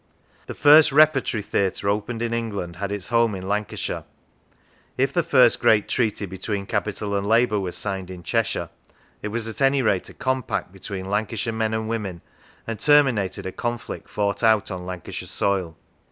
The first Repertory Theatre opened in England had its home in Lancashire. If the first great treaty between Capital and Labour was signed in Cheshire, it was at any rate a compact between Lancashire men and women, and terminated a conflict fought out on Lancashire soil.